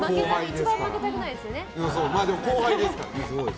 一番負けたくないですよね。